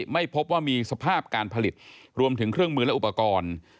ไม่พบว่ามีสภาพการผลิตรวมถึงเครื่องมือและอุปกรณ์